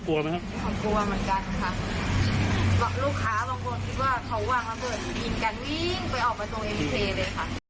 กลัวไหมครับกลัวเหมือนกันค่ะลูกค้าบางคนคิดว่าเขาว่าเขาเงินกันวิ้ง